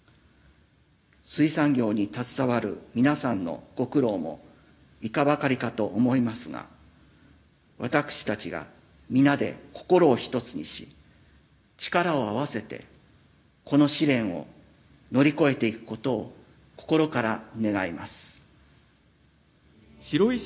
水産業に携わる皆さんの御苦労もいかばかりかと思いますが私たちが皆で心を一つにし力を合わせてこの試練を乗り越えていくことを心から願います。